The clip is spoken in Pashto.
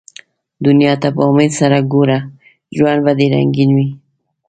دنیا ته په امېد سره ګوره ، ژوند به دي رنګین وي